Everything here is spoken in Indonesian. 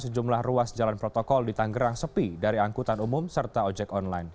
sejumlah ruas jalan protokol di tanggerang sepi dari angkutan umum serta ojek online